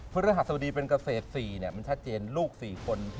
พฤติรหัสสุดีเป็นเกษตรสี่นี่มันชัดเจนลูกสี่คนที่